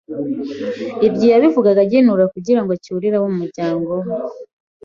ibyo yabivugaga agenura kugirango acyurire abo mu muryango we.